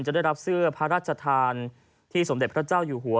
จะได้รับเสื้อพระราชทานที่สมเด็จพระเจ้าอยู่หัว